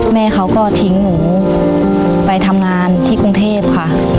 แม่เขาก็ทิ้งหนูไปทำงานที่กรุงเทพค่ะ